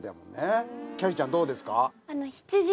きゃりーちゃんどうですか？